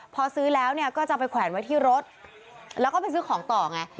พอซื้อแล้วก็จะไปแขวนไว้ที่รถแล้วก็ไปซื้อของต่อไง